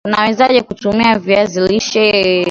UNawezaje kutumia viazi lishe